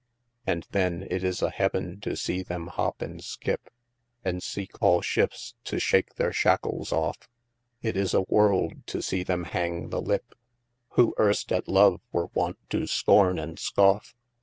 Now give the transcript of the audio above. And then It is a heaven to see them hop and skip, And seeke all shiftes to shake their shackles off: It is a world, to see them hang the lip, Who (earst) at love, were wont to skorne and skoff.